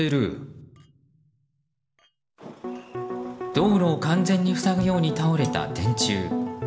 道路を完全に塞ぐように倒れた電柱。